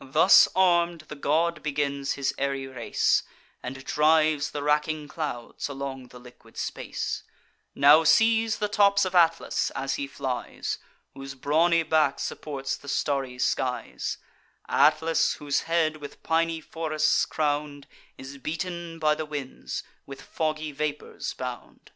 Thus arm'd, the god begins his airy race, And drives the racking clouds along the liquid space; Now sees the tops of Atlas, as he flies, Whose brawny back supports the starry skies; Atlas, whose head, with piny forests crown'd, Is beaten by the winds, with foggy vapours bound.